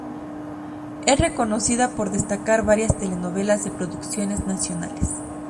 Es reconocida por destacar varias telenovelas de producciones nacionales.